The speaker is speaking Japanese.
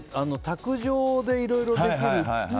卓上でいろいろできるって。